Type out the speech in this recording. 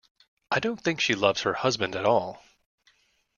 I don't think she loves her husband at all.